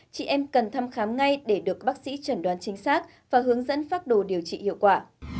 chị em cần thăm khám ngay để được bác sĩ chẩn đoán chính xác và hướng dẫn phác đồ điều trị hiệu quả